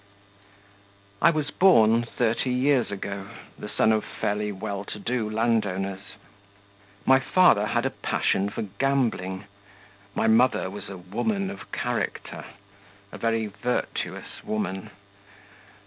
I was born thirty years ago, the son of fairly well to do landowners. My father had a passion for gambling; my mother was a woman of character ... a very virtuous woman.